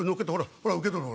ほら受け取れほら。